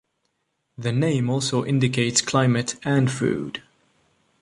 The name also indicates climate and food.